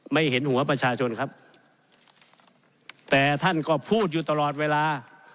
ไม่เห็นหัวประชาชนครับแต่ท่านก็พูดอยู่ตลอดเวลา